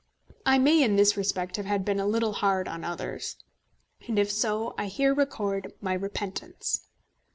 I may in this respect have been a little hard on others, and, if so, I here record my repentance.